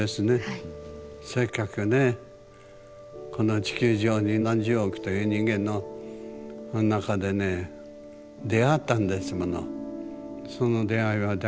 せっかくねこの地球上に何十億という人間の中でね出会ったんですもの。